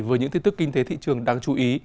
với những tin tức kinh tế thị trường đáng chú ý